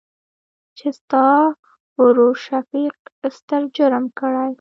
چې ستا ورورشفيق ستر جرم کړى.